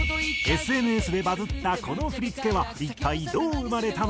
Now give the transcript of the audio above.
ＳＮＳでバズったこの振付は一体どう生まれたのか？